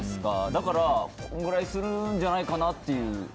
だから、このくらいするんじゃないかなっていう。